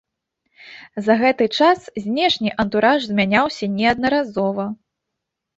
За гэты час знешні антураж змяняўся неаднаразова.